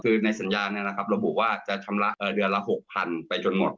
คือสัญญาณนี่เราบุพว่าจะชำระเดือนละ๖๐๐๐บาทไปจนหมด